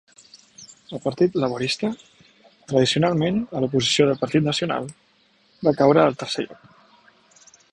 El Partit Laborista, tradicionalment a l'oposició del Partit Nacional, va caure al tercer lloc.